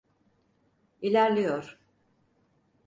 İlerliyor.